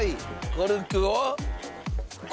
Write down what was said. コルクを。